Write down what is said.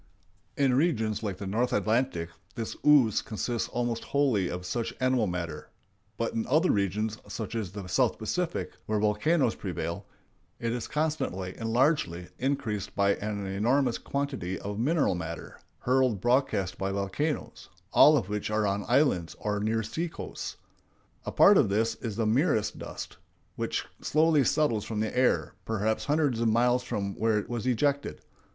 In regions like the North Atlantic this ooze consists almost wholly of such animal matter; but in other regions, such as the South Pacific, where volcanoes prevail, it is constantly and largely increased by an enormous quantity of mineral matter hurled broadcast by volcanoes, all of which are on islands or near sea coasts. A part of this is the merest dust, which slowly settles from the air, perhaps hundreds of miles from where it was ejected.